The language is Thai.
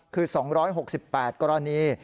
คือ๒๖๘กรณี